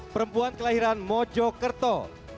perempuan kelahiran mojo kerto